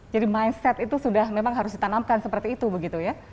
jadi mindset itu sudah memang harus ditanamkan seperti itu begitu ya